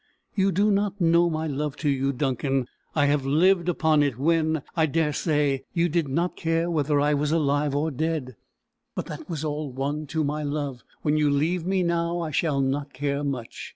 You do not know my love to you, Duncan. I have lived upon it when, I daresay, you did not care whether I was alive or dead. But that was all one to my love. When you leave me now, I shall not care much.